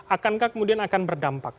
akankah kemudian akan berdampak